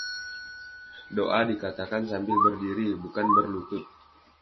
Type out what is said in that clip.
Doa dikatakan sambil berdiri, bukan berlutut.